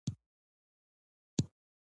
خپل ټولنیز چاپېریال وپېژنئ.